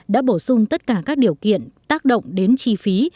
đã bổ sung tất cả các điều kiện tác động đến chi phí